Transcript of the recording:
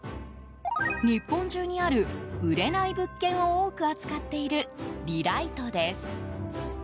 日本中にある売れない物件を多く扱っているリライトです。